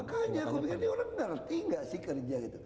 makanya gue bilang ini orang ngerti gak sih kerja gitu